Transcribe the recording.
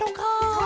そう。